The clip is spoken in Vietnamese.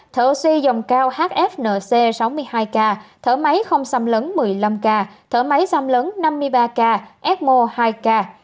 thở oxy dòng cao hfnc sáu mươi hai ca thở máy không xăm lấn một mươi năm ca thở máy xăm lấn năm mươi ba ca ecmo hai ca